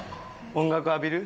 「音楽浴びる」？